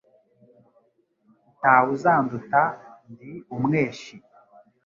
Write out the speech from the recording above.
Nta we uzanduta ndi umweshi,